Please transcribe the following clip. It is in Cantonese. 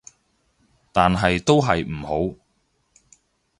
但係都係唔好